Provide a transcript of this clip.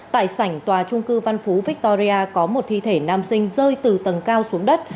tại sảnh tòa trung cư văn phú victoria có một thi thể nam sinh rơi từ tầng cao xuống đất